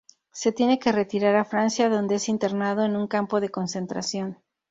Se tiene que retirar a Francia donde es internado en un campo de concentración.